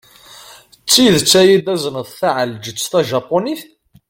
D tidet ad yi-d-tazneḍ taɛelǧett tajapunit?